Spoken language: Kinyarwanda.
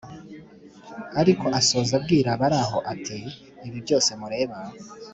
ariko asoza abwira abari aho ati: “Ibi byose mureba